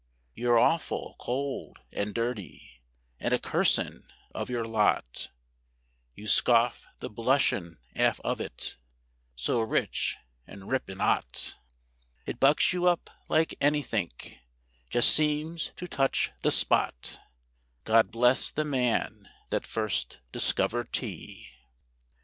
You're awful cold and dirty, and a cursin' of your lot; You scoff the blushin' 'alf of it, so rich and rippin' 'ot; It bucks you up like anythink, just seems to touch the spot: God bless the man that first discovered Tea!